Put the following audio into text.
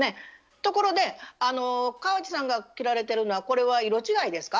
ところで川路さんが着られてるのはこれは色違いですか？